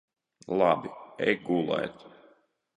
Labi. Ej gulēt.